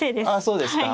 そうですか。